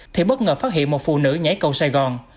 thì bất ngờ phát hiện một phụ nữ nhảy cầu sài gòn